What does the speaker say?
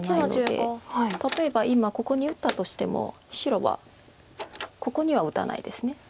例えば今ここに打ったとしても白はここには打たないです。